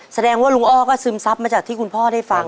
แสดงว่าลุงอ้อก็ซึมซับมาจากที่คุณพ่อได้ฟัง